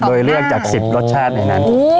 โดยเลือกจาก๑๐รสชาติในนั้น